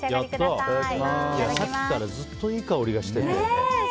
さっきからずっといい香りがしてるんだよね。